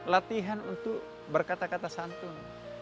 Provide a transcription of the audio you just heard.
latihan untuk berkata kata santun